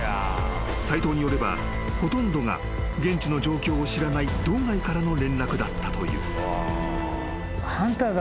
［斎藤によればほとんどが現地の状況を知らない道外からの連絡だったという］